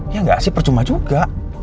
ya nggak sih percuma juga